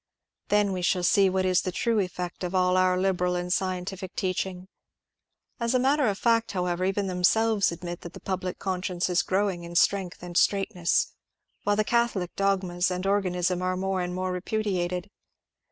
Then we shall see what is the true effect of all our liberal and scientific teaching. As a matter of fact, however, even themselves admit that the public con science is growing in strength and straightness, while the catholic dogmas and organism are more and more repudiated.